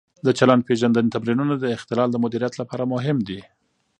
د چلند-پېژندنې تمرینونه د اختلال د مدیریت لپاره مهم دي.